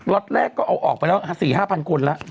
รถแรกก็เอาออกไปแล้ว๔๕พันคนละ